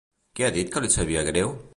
Què ha dit que li sabia greu?